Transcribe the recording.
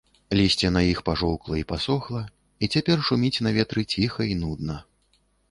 Лісце на іх пажоўкла і пасохла і цяпер шуміць на ветры ціха і нудна.